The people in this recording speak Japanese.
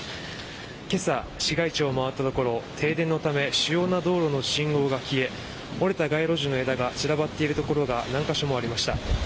今朝、市街地を回ったところ停電のため主要な道路の信号が消え折れた街路樹の枝が散らばっている所が何箇所もありました。